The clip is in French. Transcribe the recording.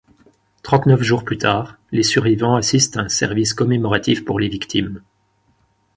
Trente-neuf jours plus tard, les survivants assistent à un service commémoratif pour les victimes.